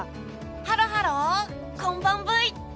ハロハロ、こんばんブイ。